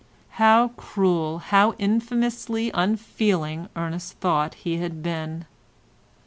How cruel, how infamously unfeeling Ernest thought he had been.